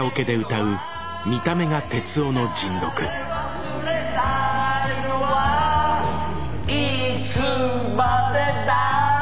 「忘れたいのはいつまでだ？」